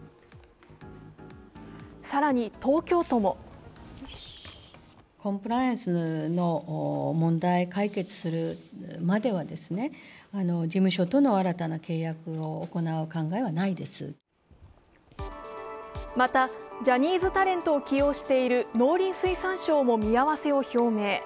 更に、東京都もまた、ジャニーズタレントを起用している農林水産省も見合わせを表明。